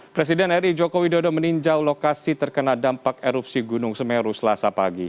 presiden r i jokowi dodo meninjau lokasi terkena dampak erupsi gunung semeru selasa pagi